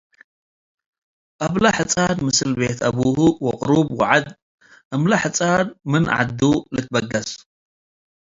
አብለ ሕጻን ምስል ቤት አብሁ ወቅሩቡ ወዐድ እምለ ሕጻን ምን ዐዱ ልትበገስ ።